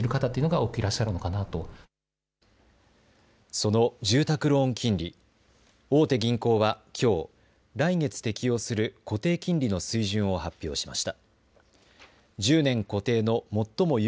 その住宅ローン金利大手銀行は、きょう来月、適用する固定金利の水準を発表しました。